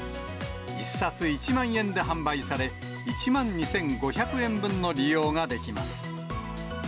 １冊１万円で販売され、１万２５００円分の利用ができます。